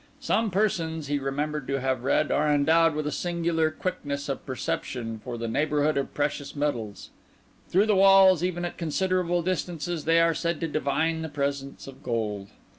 Some persons, he remembered to have read, are endowed with a singular quickness of perception for the neighbourhood of precious metals; through walls and even at considerable distances they are said to divine the presence of gold.